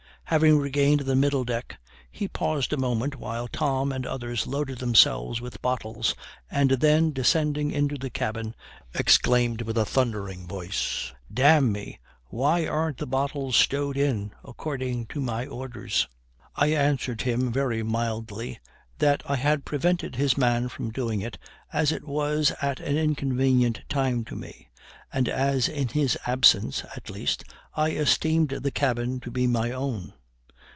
Having regained the middle deck, he paused a moment while Tom and others loaded themselves with bottles, and then descending into the cabin exclaimed with a thundering voice, "D n me, why arn't the bottles stowed in, according to my orders?" I answered him very mildly that I had prevented his man from doing it, as it was at an inconvenient time to me, and as in his absence, at least, I esteemed the cabin to be my own.